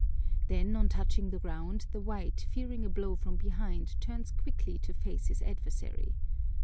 Then on touching the ground the white, fearing a blow from behind, turns quickly to face his adversary.